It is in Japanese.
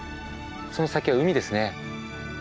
その先は海ですね。